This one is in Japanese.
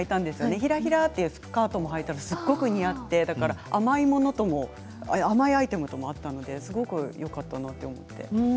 ひらひらというスカートをはいたら、すごく似合って甘いアイテムとも合ったのですごくよかったなと思って。